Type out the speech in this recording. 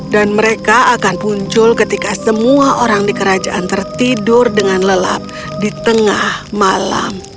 dan mereka akan muncul ketika semua orang di kerajaan tertidur dengan lelap di tengah malam